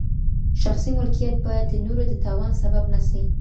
شخصي ملکیت باید د نورو د تاوان سبب نه سي.